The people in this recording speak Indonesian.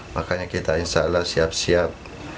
makanya kita insya allah siap siap